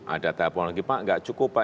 ada telepon lagi pak gak cukup pak